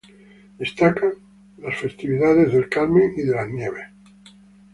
Destacan las festividades del Carmen y de Las Nieves.